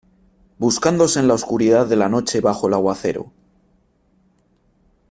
buscándose en la oscuridad de la noche bajo el aguacero .